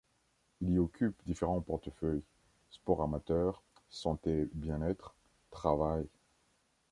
Il y occupe différents portefeuilles: Sport amateur, Santé et bien-être, Travail.